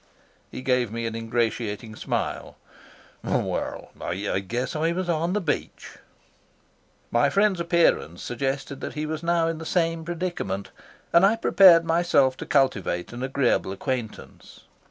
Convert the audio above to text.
He gave me an ingratiating smile. "Well, I guess I was on the beach." My friend's appearance suggested that he was now in the same predicament, and I prepared myself to cultivate an agreeable acquaintance.